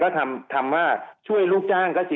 ทางประกันสังคมก็จะสามารถเข้าไปช่วยจ่ายเงินสมทบให้๖๒